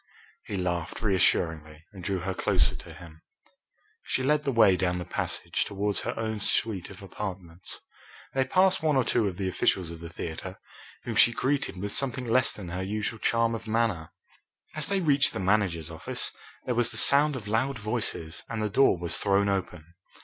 He laughed reassuringly and drew her closer to him. She led the way down the passage towards her own suite of apartments. They passed one or two of the officials of the theatre, whom she greeted with something less than her usual charm of manner. As they reached the manager's office there was the sound of loud voices, and the door was thrown open.